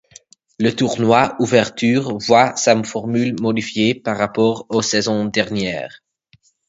Le tournoi Ouverture voit sa formule modifiée par rapport aux saisons dernières.